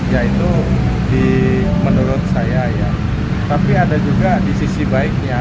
ya itu menurut saya ya tapi ada juga di sisi baiknya